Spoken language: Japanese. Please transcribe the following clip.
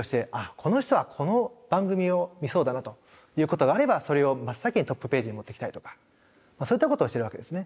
この人はこの番組を見そうだなということがあればそれを真っ先にトップページに持ってきたりとかそういったことをしてるわけですね。